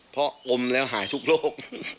เพราะอมแล้วหายทุกโรค